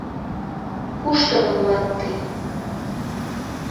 Кушто гын улат тый